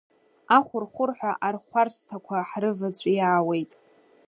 Ахәырхәырҳәа архәарсҭақәа ҳрываҵәиаауеит.